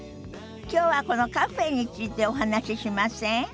きょうはこのカフェについてお話ししません？